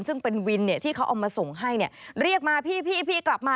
ซึ่งเป็นวินที่เขาเอามาส่งให้เรียกมาพี่กลับมา